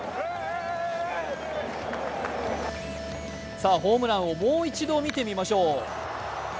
さあ、ホームランをもう一度見てみましょう。